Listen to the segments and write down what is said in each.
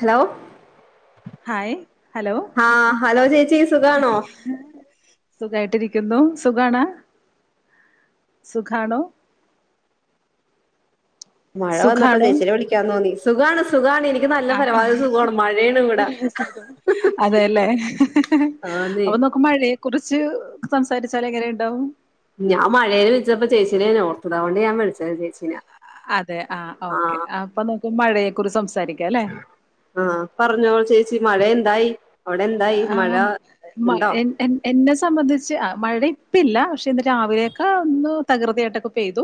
Hello hi hello ആ hello ചേച്ചി സുഖാണോ സുഖായിട്ടിരി- ക്കുന്നു സുഖാണ് സുഖാണോ? മഴ വന്നപ്പോ ചേച്ചിനെ വിളിക്കാൻ തോന്നി സുഖാണ്. സുഖാണ് എനിക്ക് നല്ല ആണ് പരമാവധി സുഖമാണ് മഴയാണ് ഇവിടെ [unintelligible] അതെല്ലേ ആന്ന് അപ്പൊ നോക്ക് മഴയെ കുറിച്ച് കുറിച്ച് സംസാരിച്ചാൽ എങ്ങനെ ഉണ്ടാവും? ഞാൻ മഴേൽ വിളിച്ചപ്പോ ചേച്ചീനെ ഓർത്തത് അത് കൊണ്ട് ഞാൻ വിളിച്ചത് ചേച്ചീനാ അതെ ആ ഓക്കെ അപ്പൊ നോക്ക് മഴയെക്കുറിച്ച് സംസാ- ആ പറഞ്ഞോള് ചേച്ചി മഴ എ- ന്തായി ആ [unintelligible] എന്ന സംബന്ധിച്ച് മഴ ഇപ്പില്ല പക്ഷെ ഇന്ന് രാവിലെയൊക്കെ ഒന്ന് തകൃതിയായിട്ടൊക്കെ പെയ്തു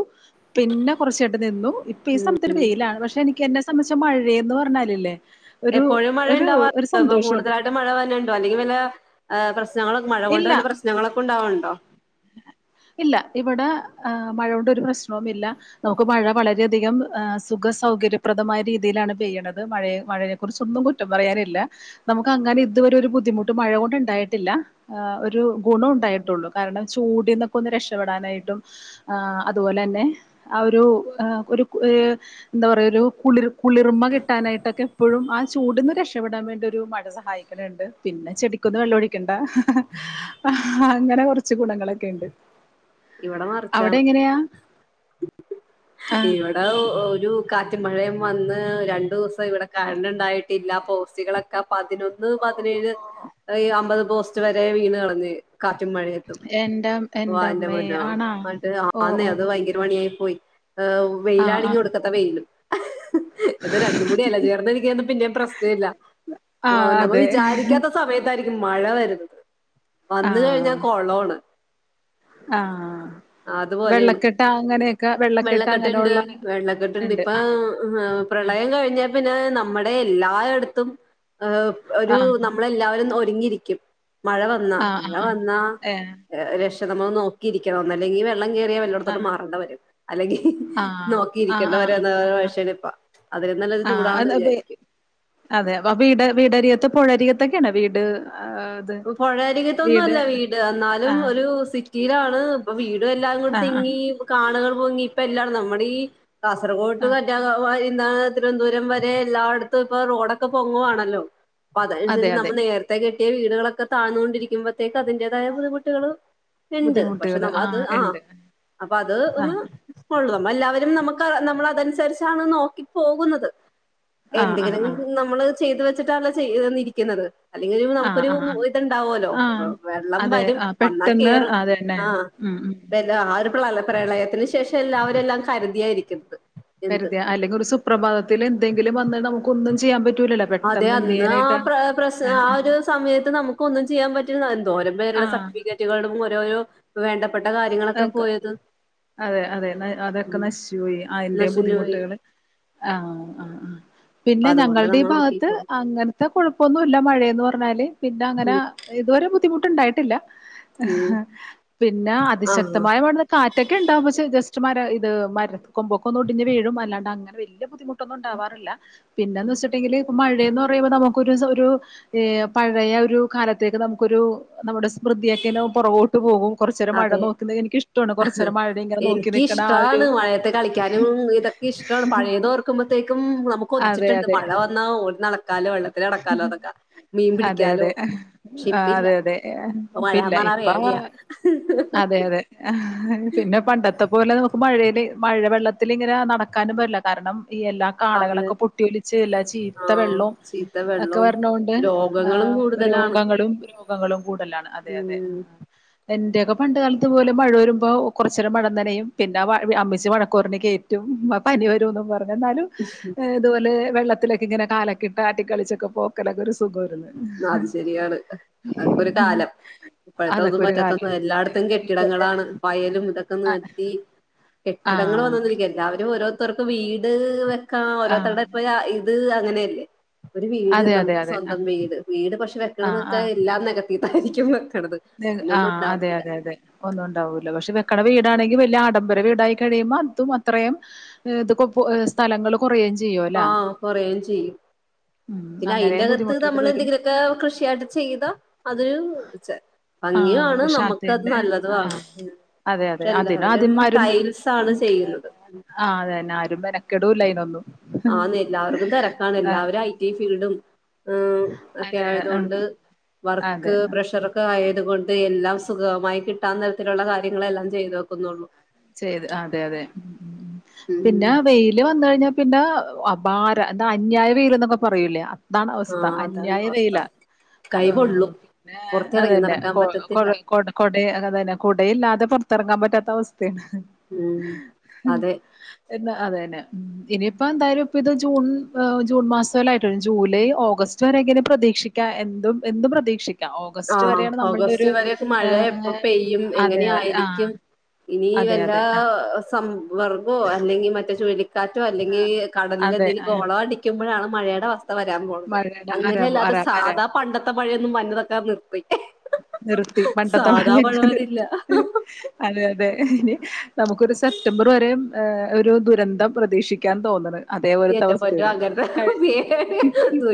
പിന്നെ കുറച്ചായിട്ട് നിന്നു ഇപ്പൊ ഈ സമയത്ത് ഒരു വെയിലാണ് പക്ഷെ എനിക്ക്ന്നെ - സംബന്ധിച്ച്ച് മഴയന്ന് പറഞ്ഞാലല്ലേ എപ്പോഴും മഴയ ണ്ടാവാറുണ്ടേ ഇപ്പൊ കൂടുതലായിട്ടും മഴ വണ്ടോ അല്ലെങ്കിൽ [unintelligible] ഞങ്ങൾക്ക് മഴ കൊണ്ട് ഇല്ല വല്ല പ്രശ്നങ്ങളൊക്കെ ഉണ്ടാവല്ണ്ട് ആ ഇല്ല ഇവിടെ മഴ കൊണ്ട് ഒരു പ്രശ്നവും ഇല്ല നമുക്ക് മഴ വളരെയധികം സുഖ സൗകര്യപ്രദമായ രീതിയിലാണ് പെയ്യണത് മഴയ മഴയെ കുറിച്ചൊന്നും കുറ്റം പറയാനില്ല നമുക്ക് അങ്ങനെ ഇതുവരെ ഒരു ബുദ്ധിമുട്ട് മഴ കൊൊണ്ട് ഉണ്ടായിട്ടില്ല ഒരു ഗുണം ഉണ്ടായിട്ടുള്ളൂ കാരണം ചൂടിന്നൊക്കെ ഒന്ന് രക്ഷപ്പെെടാനായിട്ടും് അതുപോലെ തന്നെ ആ ഒരു ഒരു എന്താ പറയ ഒരു കുളിർ കുളിർമ കിട്ടാനായിട്ടൊക്കെ എപ്പോഴും ആ ചൂടിന്ന് രക്ഷപെടാൻ വേണ്ടി ഒരു മഴ സഹായിക്കണുണ്ട് പിന്നെ ചെടിക്കൊന്നും വെള്ളൊഴിക്കണ്ട ഹഹ അങ്ങനെ കുറച്ച് കുറച്ച് ഗുണങ്ങളൊക്കെ ഉണ്ട് ഇവിടെ മറിച്ച അവിടെ എങ്ങനെയാ ആഹ് ഇവിടെ ഒരു കാറ്റി മഴയും വന്ന് രണ്ടു ദിവസം ഇവിടെ കുണ്ടായിട്ടില്ല പോസ്റ്റികളൊക്കെ പതിനൊന്ന് പതിനേഴ് അമ്പത് പോസ്റ്റ് വരെ വീണ് കളഞ് എന്റെ എന്റെമ്മ എന്നിട്ട് പൊന്നോ [unintelligible] ആന്നേ അത് ഭയങ്കര മണിയായി പോയി ഹ് ആഹ് വെയിലാണെങ്കി ആഹ് ഒടുക്കത്ത വെയില് ഇത് രണ്ടും കൂടി അല്ലെ ചേർന്ന് ഇരിക്കണെ പിന്നെ ഇപ്പൊ റെസ്റ്റ് ഇല്ല ഓ ആഹ് നമ്മ അതെ വിചാരിക്കാത്ത സമയത്തായിരിക്കു മഴ വരുന്നത് വന്ന കഴിഞ്ഞാ ആഹ് കൊള്ളണ് ആഹ് അതുപോലെയാണ് വെള്ളക്കെട്ട അങ്ങനെയൊക്കെ വെള്ളക്കെട്ട് വെള്ളക്കെട്ട്ണ്ട് അങ്ങനെയുള്ള വെള്ളക്കെട്ട്ണ്ട് ഉണ്ട് ഇപ്പൊ ആഹ് പ്രളയം കഴിഞ്ഞാ പിന്നെ നമ്മുടെ എല്ലായിയിടത്തും ഹ ആഹ് ഒരു ആഹ് നമ്മളെല്ലാവരും അടങ്ങിരിക്കും മഴ വന്നാ ആഹ് മഴ ആഹ് വന്ന ഏഹ് രക്ഷ പ നമ്മൾ [unintelligible] നോ നോക്കിയിരിക്കണം അല്ലെ വെള്ളം കയറിയാ വല്ലോടത്തോട്ട് ആഹ് മാറേണ്ടി വരും അല്ലെങ്കിൽ ആഹ് ആഹ് നോക്കിയിരിക്കേണ്ടവര ആഹ് [unintelligible] എന്ന ആഹ് ആഹ് വിഷേ ഇപ്പ അതിൽ നല്ലത് ആഹ് ചൂടാണെന്ന് അത് അപ്പ വിചാരിക്കും പുഴരികത്തൊക്കെയാണ് വീട് ആ, ഇത് പുഴ അരികത്തൊന്നും അല്ല വീട് എന്നാലും ആഹ് ഒരു സിറ്റി വീരാണ്പ്പ [unintelligible] വീട് എല്ലാം കൂടെ ആഹ് ആഹ് തിങ്ങി കാണ പോങ്ങി ഇപ്പം എല്ലാടും നമ്മുടെ ഈ കാസർകോട് [unintelligible] ആഹ് ത എന്താണ് തിരുവനന്തപുരം വരെ എല്ലായിടത്തും ഇപ്പൊ റോഡൊക്കെ പൊങ്ങുവാണല്ലോ അപ്പം അതെ അനുസരിച്ച് അതെ നമ്മൾ നേരത്തേ [unintelligible] വീടുകളെ താന്നോണ്ടിരിമ്പേ േക്ക് [unintelligible] അതിന്റേതായ ബുദ്ധിമുട്ടികൾ ഇണ്ട് പക്ഷെ ബുദ്ധിമുട്ടുകള് നമ്മ അത് ആഹ് ആ ഇണ്ട് അപ്പൊ അത് ആഹ് ഒന്ന് കൊള്ള നമ്മെ എല്ലാവരും നമുക്ക് നമ്മള അതനുസരിച്ചാണ് നോക്കി പോകുന്നത് ആഹ് ആഹ് എന്തെങ്കിലും ആഹ് [unintelligible] നമ്മള് ചെയ്തു വെച്ചിട്ടാണല്ലോ ചെയ്തെന്നിരിക്കുന്നത് അല്ലെങ്കിലും ആഹ് നമുക്കൊരു ആഹ് ആഹ് ഒ ണ്ടാവല്ലോ ആഹ് വെള്ളം അതെ വരും ആഹ് വന്നാൽ പെട്ടെന്ന് കേറും അതന്നെ ആ ഉം ഉം അപ്പം എല്ലാം [unintelligible] പ്രളയത്തിന് ശേഷം എല്ലാവരും എല്ലാം കരുതിയായിരിക്കുന്നത് എന്ത് കരുതിയ അല്ലെങ്കിൽ ഒരു സുപ്രഭാതത്തിൽ എന്തെങ്കിലും വന്ന് നമുക്കൊന്ന് ചെയ്യാൻപറ്റും അതെ അന്ന് ആ പ്ര പ്രശ് ആ ആഹ് ഒരു സമയത്ത് നമുക്ക് ഒന്നും ചെയ്യാൻ പറ്റില്ല എന്തോരം പേരുടെ സർട്ടിഫിക്കറ്റുകളും യോയോ വേണ്ട അതക്കെ അതെ അതെ അതൊക്കെ ഉം നശിച്ചുപോയി അതിന്റെ നശിഞ്ഞു പോയി ബുദ്ധിമുട്ടുകൾ ആഹ ആ ആ പിന്നെ അതുകൊണ്ട് ഞങ്ങളുടെ ഈ നമ്മൾ ഭാഗത്ത് നോക്കിക്കോളും അങ്ങനത്തെ കുഴപ്പമൊന്നും ഇല്ല മഴയെന്ന് പറഞ്ഞാല് പിന്നെ അങ്ങനെ ഉം ഇതുവരെ ബുദ്ധിമുട്ട് ഉണ്ടായിട്ടില്ല ഉം പിന്നാ അതിശ ആഹ് ശക്തമായ ഇവിടുന്നു കാറ്റൊക്കെണ്ടാവും പക്ഷെ ജസ് മര ഇത് മര കൊമ്പൊക്കെ ഒന്നും ഒടിഞ്ഞ് വീഴും അല്ലാണ്ട് അങ്ങനെ വലിയ ബുദ്ധിമുട്ടൊന്നും ഉണ്ടാവാറില്ല പിന്നെന്ന് വെച്ചിട്ടണ്ടെങ്കില് ഇപ്പ മഴയെന്ന് പറയുമ്പോൾ നമുക്കൊരു ഒരു പഴയ ഒരു കാലത്തേക്ക് നമുക്കൊരു നമ്മുടെ വൃദിയാക്കിലോ പുറകോട്ട് പോകും കുറച്ച് നേരം മഴ നോ എനിക്ക് ആ ഒരു ഇഷ്ടമാണ് മഴയത്തെ കളിക്കാനും ഇതൊക്കെ ഇഷ്ടമാണ് പഴയതോർക്കുമ്പോത്തേക്കും നമുക്ക് അതെ ഒച്ചിട്ടുണ്ട് അതെ മഴ വന്നാ ഓ നടക്കാലോ വെള്ളത്തിൽ നടക്കാലോ അതൊക്കെ മീൻ അതെ പിടിക്കാലോ അതെ പക്ഷെ ആ ഇപ്പ ഇല്ല അതെ അതെ അപ്പ ഇപ്പില്ല മഴന്നറിയ ഇപ്പ റേഡിയാ അതെ അതെ ആ പിന്നെ പണ്ടത്തെ പോലെ നമുക്ക് മഴയില് മഴ വെള്ള ഇതിൽ ഇങ്ങനെ നടക്കാനും പാടില്ല കാരണം ഈ എല്ലാ അത് കാടകളൊക്കെ പൊട്ടിയൊലിച്ച് എല്ലാ ചീത്ത ആഹ് വെള്ളവും ചീത്ത ഒക്കെ വെള്ളവും വരണോണ്ട് ആ രോഗങ്ങളും കൂടുതലാണ്. രോഗങ്ങളും രോഗങ്ങളും കൂടുതലാണ് അതെ അതെ ഉം എ പണ്ട് കാലത്ത് പോലെ മഴ വരുമ്പോൾ കുറച്ച നേരം മഴനനയും പിന്നെ അമ്മിച്ചി വഴക്ക് പറഞ്ഞ് കയറ്റും ഇപ്പ പനി വരൂന് പറ പിന്നെന്താലും ഇതുപോലെ വെള്ളത്തിലൊക്കെ ഇങ്ങനെ കാലൊക്കെ ഇട്ട് ആട്ടി കളിച്ചൊക്കെ പോക്കലൊക്കെ റിസ് അത് ശരിയാണ് അതക്കൊ ഒരു കാലം അതൊക്കെ ഇപ്പോഴതൊന്നും ഒരു കാലം പറ്റാത്തന്നും എല്ലാ തം ഇപ്പൊ കെട്ടിടങ്ങളാണ് വയലും ഇതൊക്കെ ആഹ് നിർത്തി കെട്ടിടങ്ങൾ ആഹ് വന്നന്നരിക്ക എല്ലാവരും ഓരോരുത്തർക്ക് വീട് ആഹ് ഓരോരുടെ [unintelligible] അത് അങ്ങനെയല്ലേ ഒരു വീട് അതെ അതെ നമുക്ക് അതെ സ്വന്തേം ആഹ് വീട് വീട് പക്ഷെ ആഹ് വെക്കണൊക്കെ ആഹ് എല്ലാ ഇതായിരിക്കു മ് ആഹ് അതെ അതെ അതെ ഒന്നും ഇണ്ടാവൂല പക്ഷെ ക്കണെ വീടാണെങ്കി വല്യ ആഡംബര വീടായി കഴിയുമ്പ അതും അത്രേയും ഇത്ക്കും സ്ഥലങ്ങള ആഹ് കൊറയും ചെയ്യും ഉം പിന്നെ അങ്ങനെയും അയിന്റെകത്ത് ബുദ്ധിമുട്ടുകൾ നമ്മള് വരും എന്തെങ്കിലുമൊക്കെ കൃഷിയായിട്ട് ചെയ്താ അത് വച്ച ആഹ് പക്ഷെ അത്തിന്റെ ആഹ് അതെ അതെ പക്ഷെ അതി എല്ലാവരും ആദ്യം ആരും ടൈൽസ് ആണ് ആഹ് അതെന്നെ ആരും വെര ആഹ് എല്ലാവർക്കും തെരക്കാണ് എല്ലാവരും ഐ ടി ഐ ഫീൽഡും ഉം ഒക്കെ അതെ ഉം ആയതോണ്ട് അതെ വർക്ക് പ്രഷർ ഒക്കെ ആയ തുകൊണ്ട് എല്ലാം സുഖ അവും കിട്ടാ തരത്തില്ള്ള കാര്യങ്ങളെല്ലാം ചെയ്തു വെക്കുന്നുള്ളൂ ചെയ്ത് അതെ അതെ ഉം ഉം ഉം പിന്നെ വെയില് വന്ന് കഴിഞ്ഞാ പിന്നെ അഭാര എന്താ അന്യായ വെയില് ഇന്നൊക്കെ പറയൂലേ അ അതാണ് അവസ്ഥ ആഹ് അതാണ് അവസ്ഥ അന്യായവെയില കൈ പൊള്ളും പിന്നെ പുറത്തിറങ്ങി അതെന്നെ നടക്കാൻ പറ്റത്തില്ല കൊട അതെന്നെ കാടയില്ലാതെ പൊറത്ത് ത്തെറങ്ങാൻ പറ്റാത്ത അവസ് [unintelligible] ഉം അതെ അത് തന്നെ ഇനിയിപ്പ എന്തായാലും ഇപ്പ ഇത് ജൂൺ ജൂൺ മാസം അല്ലെ ആയിട്ടുള്ളൂ ജൂലൈ ഓഗസ്റ്റ് വെരെ പ്രതീക്ഷിക്കാ എന്തും എന്തും പ്രതീക്ഷിക്ക് ആഹ് ഓഗസ്റ്റ് വരെയൊക്കെ മഴ എപ്പ ഏഹ് പെയ്യും അതെ. ആഹ്. എങ്ങനെയായിരിക്കും ഇനി അതെ, അതെ. വല്ലാ ആഹ്. സ് സംഭ വർഗോ അല്ലെങ്കിൽ മറ്റേ ചുഴലി കാറ്റോ അല്ലെങ്കി കടലിൽ അതെ. എന്തെങ്കിലും ആഹ്. ഗോളോ അടിക്കുമ്പോഴാണ് മഴയുടെ അവസ് വരാൻ പോണത് മഴയുടെ അരവ് അങ്ങനെയല്ലാതെ അര അര സാധാ പണ്ടത്തെ മഴയൊന്നും വന്നതൊക് [unintelligible] നിർത്തി നിർത്തി പണ്ടത്തെ സാധാ മഴ മഴയക്കെ വരില്ല നിർത്തി അതെ അതെ ഇനി നമുക്കൊരു സെപ്റ്റംബർ വരെയും ഏഹ് ഒരു ദുരന്തം പ്രതീക്ഷിക്കാന്ന് തോന്നണ് അതേപോലത്തെ എൻ്റെ പൊന്നോ അവസ്ഥയാണ്. അങ്ങനത്തെ കഴി പേടിയാ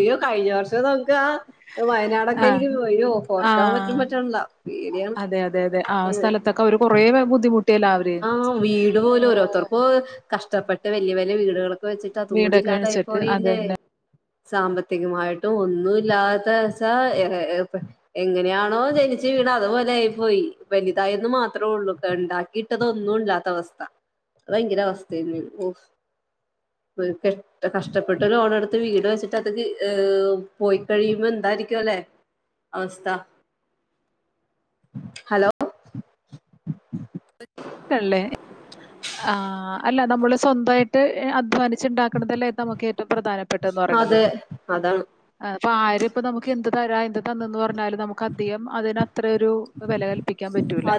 ഇയ്യോ കഴിഞ്ഞ വർഷത്തെ [unintelligible] ക്ക ആഹ് വയനാടെക്കെ എനിക്ക് ആഹ്. വയ്യോ ഓർക്കാൻ പറ്റും ആഹ്. പറ്റണ്ല്ല പേടിയാണ്. അതെ അതെ അതെ ആ സ്ഥലത്തൊക്കെ അവര് കൊറേ ബുദ്ധിമുട്ടിയല്ലോ അവര് ആഹ് വീട് പോലും ഏഹ് ഓരോർത്തർക്ക് കഷ്ടപ്പെട്ട് വല്ല്യ വ ല്ല്യ വീട്കള് വെച്ചിട്ട് വീടൊക്കെ അതുംകൂടിഇല്ലാതായി വെച്ചിട്ട് പോയില്ലേ? അതന്നെ സാമ്പത്തികമായിട്ടും ഒന്നുംഇല്ലാതെ വെച്ച എ ഏഹ് ഇപ്പ എങ്ങനെയാണോ ജനിച്ച് വീണെ അതുപോലെ ആയി പോയി. വല്തായെന്ന് മാത്രേ ഒള്ളു ക്കെ ഇണ്ടാക്കി ഇതൊന്നും ഇല്ലാത്ത അവസ്ഥ ഭയങ്കര അവസ്ഥയരുന്നു ഓ കഷ്ടപ്പെട്ട്ലോണ എടുത്ത് വീട് വെച്ചിട്ട് അത് ഏ പോയി കഴിയുമ്പോ എന്തായിരിക്കും അല്ലെ അവസ്ഥ ഹലോ [unintelligible] ഹല്ലേ- ആ അല്ല നമ്മള് സ്വന്തായിട്ട് അധ്വാനി ച്ച് ഉണ്ടാക്കണതല്ലേ നമുക്ക് ഏറ്റവും പ്രധാനപ്പെട്ടന്ന് പറയണുന്നത് അതെ അതാണ് ആ അപ്പ ആര് ഇപ്പ നമുക്ക് എന്ത് തരാം എന്ത് തന്നന്ന് പറഞ്ഞാലും നമുക്ക് അധികം അതിനത്ര ഒരു വില കൽപ്പിക്കാൻ പറ്റൂല്ല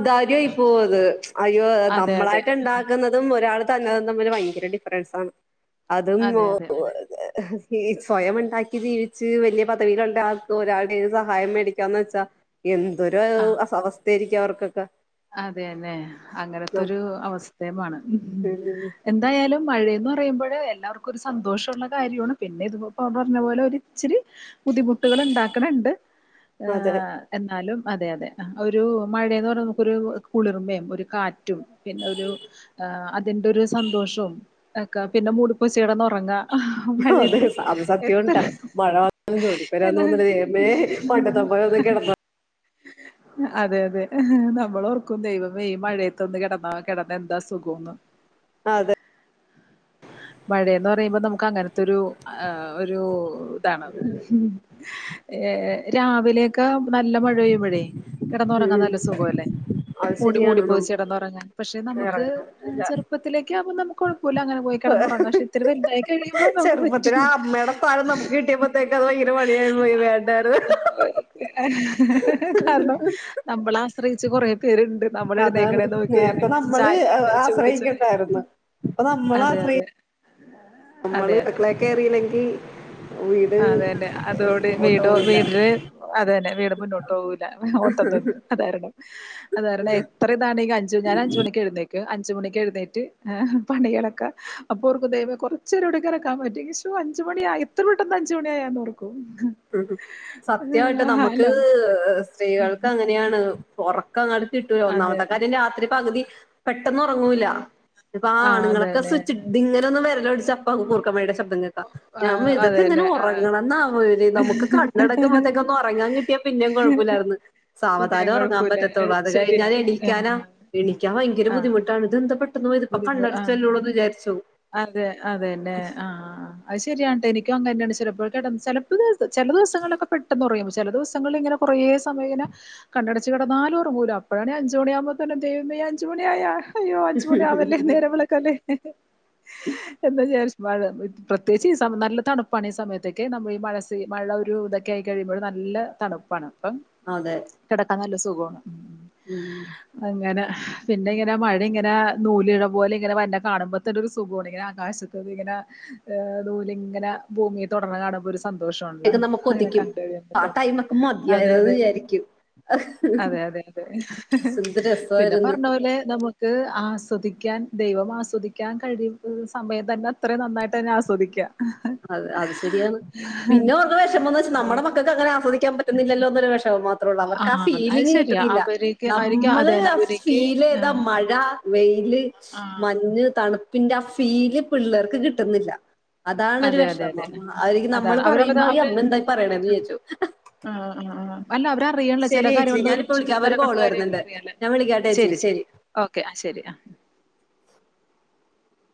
ഔദാര്യമായി പോവും അത് അ- അതെ അതെ നമ്മളായിട്ട് ഉണ്ടാക്കുന്നതും ഒരാൾ തന്നതും തമ്മിൽ ഭയങ്കര ഡിഫറൻസ് ആണ് അതും അതെ അതെ അതെ [unintelligible] ഈ സ്വയം ഉണ്ടാക്കി ജീവിച്ച് വലിയ പദവികളുണ്ടാ ഒരാളുടെയും സഹായം മേടിക്കാന്ന് വെച്ചാൽ എന്തൊരു ആ അവസ്ഥായിരിക്കും അവർക്ക് ക്കെ അതെന്നെ അങ്ങനത്തൊരു അവസ്ഥയമാണ് എന്തായാലും മഴയന്ന് പറയുമ്പോഴ് എല്ലാവർക്കും ഒരു സന്തോഷമുള്ളള്ള കാര്യമാണ് പിന്നെ ഇത് പറഞ്ഞ പോലെ ഒ ഇച്ചിരി ബുദ്ധിമുട്ടുകൾ ഉണ്ടാക്കണണ്ട് അതെ എന്നാലും അതെ അതെ ഒരു മഴേന്ന് പറ നോ ഒരു കുളിർമയും ഒരു കാറ്റ് റ്റും പിന്നെ ഒരു അതിന്റെ ഒരു സന്തോഷവും അക്കാ പിന്നെ മൂടിപ്പോതച്കെടന്നൊറങ അതാ അതെ മഴയത്ത് അത് സത്യംട്ടാ എത്ര- മഴ വന്നാലും ജോലിക്ക് വരാൻ തോന്നൂല ദൈവമേ പണ്ടത്തെ പോലെ ഒന്ന് കിടന്ന അതെ അതെ നമ്മള് ഓർക്കും ദൈവമേ ഈ മഴയത്തൊന്ന് കിടന്നാ കിടന്ന എന്താ സുഖംന്ന് അതെ മഴന്ന് പറയുമ്പോ നമുക്ക് അങ്ങനത്തെൊരു ഒരു ഇതാണ് ഏ രാവിലെയൊക്കെ നല്ല മഴ പെയ്യുമ്പഴേ കിടന്നുറങ്ങാൻ ഉം നല്ല സുഖം അല്ലേ അത് മൂടി ശരിയാണ് മൂടിപ്പൊതച്ച് നമുക്ക് കിടന്നുറങ്ങാൻ പക്ഷെ നമുക്ക് ഇറങ്ങാൻ പറ്റൂല ചെറുപ്പത്തിലേക്ക് ആക്മ്പ നമ്ക് കു ല അങ്ങനെ പോയി കിടന്നുറങ്ങാം പക്ഷെ ഇത്തിരി വലുതായി കഴിയുമ്പോ നമുക്ക് ചെറുപ്പത്തില് പറ്റില്ല ആ അമ്മയുടെ സ്ഥാനം നമുക്ക് കിട്ടിയപ്പോത്തേക്ക് അത് ഭയങ്കര പണിയായി പോയി വേണ്ടായിരുന്നു കാരണം നമ്മളാ കുച്ച് കൊറേ പേരുണ്ട് അതാണ് നോക്കി ഒരു നേരത്തെ ഗ്ലാസ് നമ്മള് ചായ ഇട്ട് ചൂട് ചായ ആശ്രയിക്കണ്ടായിരുന്നു ഇപ്പൊ നമ്മൾ അതെ ആശ്രയി അതെ നമ്മള് അട്ക്കെളെക്കേറിയില്ലെങ്കി ആ അതെല്ലേ അതോട് വീട് പോവില്ല വീടില് അതെന്നെ വീട് മുന്നോട്ടോവൂല. ഓട്ടം തന്നെ അതാരണം അതാരണം എത്ര ഇതാണെങ്കി അഞ്ചു ഞാൻ അഞ്ചു മണിക്ക് എഴുന്നേ ക്ക് അഞ്ച് മണിക്ക്എഴുന്നേറ്റ് ഏഹ് പണികളക്ക അപ്പോർക്കും ദൈവമേ കൊർച്ചേരംകൂടി കെടക്കാൻ പറ്റിയെങ്കിൽ ശോ അഞ്ച്മണിയായ എത്ര പെ ട്ടെന്ന് അഞ്ചു മണിയായെന്നോർക്കും ഇഹ് സത്യായിട്ട് നമ്മക്ക് ഹലോ. സ്ത്രീകൾക്ക് അങ്ങനെയാണ്. ഒർ ക്കങ്ങട്ട് കിട്ടൂല അതെ. ഒന്നാമത്തെ കാര്യം രാത്രി പക് തി പെട്ടന്ന് ഒറങ്ങൂല. ഇപ്പ ആ ആണ്ങ്ങളൊക്കെ സ്വിചി തിങ്ങനൊന്നു വര [unintelligible] അപ്പ [unintelligible] [unintelligible] ആ ഞാൻ [unintelligible] ഇതൊക്കെ എങ്ങനെ അതന്നെ. ആ. ഒറങ്ങണ്ന്നാവേ? നമുക്ക് കണ്ണടക്കുമ്പോത്തേക്ക് ഒന്ന് ഉറങ്ങാൻ കിട്ടിയാ പിന്നേം കുഴപ്പുല്ലാര്ന്നു പിന്നെയും സാവധാനം ഒർങ്ങാൻ കുഴപ്പമില്ല. പറ്റത്തുള്ളൂ അത് ശരിയാ. കഴിഞ്ഞാല് ആ. എണിക്കാനാ എണിക്കാൻ ഭയങ്കര ആ. ബുദ്ധിമുട്ടാണ് ഇത് എന്താപ്പ ബുദ്ധിമു ആഹ് അഹ് അതെ അതെന്നെ ആഹ് ആഹ് അഹ് ശെരിയാണ് ട്ട ഇനി [unintelligible] ചെല ദിവസങ്ങളിലൊക്കെ പെട്ടെന്ന് ഒറങ്ങി ചെല ദിവസങ്ങൾല് ഇങ്ങനെ കൊറേ സമയിങ്ങനെ കണ്ണടച്ച് കിടന്നാലും ഉറങ്ങൂല. അപ്പഴാണ് അഞ്ചുമണിയാകുമ്പോത്തന്നെ ദൈവമേ അഞ്ച് മണി ആയാ ഞ്ച്മണി ആവല്ലേ നേരം വെള്ക്കല്ലെ ഹ് ഹെ എന്താ വിചാരി മഴ പ്രത്യേകിച്ച് ഈസ നല്ല തണുപ്പാണ് ഈ സമയത്തൊക്കെ നമ്മൾ ഈ മഴസി മഴ ഒരു ഇതൊക്കെ ആയി കഴിയുമ്പോഴ് നല്ല തണുപ്പാണ്. പ്പം അതെ കിടക്കാന്നല്ല സു സുകോണ് ഉം. അങ്ങനാ പിന്നെ ങ്ങനെ മഴ ഇങ്ങനാ നൂല് ഇഴ പോലെ ഇങ്ങനെ വന്ന് കാണുമ്പോത്ത ഒരു സുഖാണ് ഇങ്ങനെ ആകശത്ത് ഇങ്ങനെ ഏ നൂലിങ്ങനെ ഭൂമിയെ തൊട്ന്ന കാണുമ്പോ ഒരു സു സന്തോഷാണല്ലേ ഇതൊക്കെ നമുക്ക് അങ്ങനെ ഒതിക്കും കണ്ട് കഴിയ്മ്പ ആ തന്നെ ടൈമൊക്കെ മതിയായിരുന്നു എന്ന് അതെതെ വിചാരിക്കും അതെ അതെ അതെ എന്ത് പിന്നെ രസായിരുന്നു പർഞ്ഞ പോലെ നമ്മു ഹ് ആസ് ആസ്വദിക്കാൻ ദൈവം ആസ്വദിക്കാൻ കഴിവ് സമയം തന്നെ അത്രയും നന്നായിട്ട് തന്നെ ആസ്വദിക്കാ. അതെ അത് ശരിയാണ് പിന്നെ ഉള്ള വെഷമെന്ന് വെച്ചാ നമ്മടെ മക്കക്ക് അങ്ങനെ ആസ്വദിക്കാ ക്കാൻ പറ്റുന്നില്ലല്ലോന്നൊരു വിഷമം മാത് അത്രോള്ളൂ അവർക്ക് ആ അത് ഫീലിങ് ശരിയാ. കിട്ട്ണ്ല്ല അവര്ക്ക് അവര്ക്ക് അത് നമ്മള് തന്നെ അവര്ക്ക് ഫീൽ ചെയ്ത ആഹ്. മഴ [unintelligible] യില് ആ. മഞ്ഞ് തണുപ്പ് പിന്റെ ആ ഫീല് പിള്ളേർക്ക് കിട്ടുന്നില്ല താണ്‌ ഒരു അതെ, അതെ, അതെ. വെഷമം ആ, അതിരിക് അതാണ്. നമ്മള് അവരവര് പറയുമ്പോ ഈ അവര് അമ്മ എന്താ പറയണേ എന്ന് വിചാരിച്ചോവും ആ, ആ, ആ. അല്ല അവരറിയൺല്ല ചെല കാര്യങ്ങളോന്നും ഒരു ചുറ്റും ഒരു നടക്കണ കോള് കാര്യങ്ങൾ വരുന്നുണ്ട് അറിയല്ലേ ഞാൻ വിളിക്കാട്ടെ ശരി ചേച്ചി ശരി ഓക്കെ ആ ശരി ആ